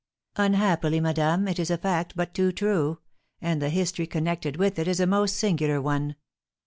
"Unhappily, madame, it is a fact but too true, and the history connected with it is a most singular one.